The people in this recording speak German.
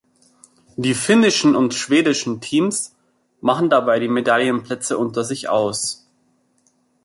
Die finnischen und schwedischen Teams machen dabei die Medaillenplätze unter sich aus.